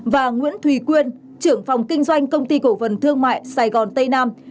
và nguyễn thùy quyên trưởng phòng kinh doanh công ty cổ phần thương mại sài gòn tây nam